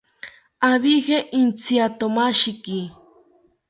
Abije intyatomashiki